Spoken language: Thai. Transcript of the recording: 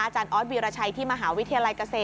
อาจารย์ออทวิรชัยที่มหาวิทยาลัยเกษตร